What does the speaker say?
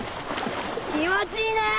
気持ちいいねえ！